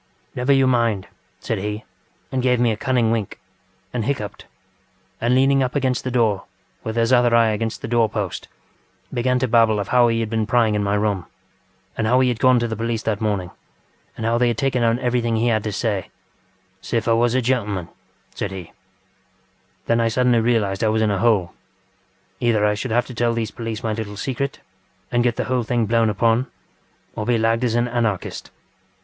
ŌĆśNever you mind, ŌĆÖ said he, and gave me a cunning wink, and hiccuped, and leaning up against the door, with his other eye against the door post, began to babble of how he had been prying in my room, and how he had gone to the police that morning, and how they had taken down everything he had to sayŌĆöŌĆśŌĆÖsiffiwas a geŌĆÖm, ŌĆÖ said he. Then I suddenly realised I was in a hole. Either I should have to tell these police my little secret, and get the whole thing blown upon, or be lagged as an Anarchist.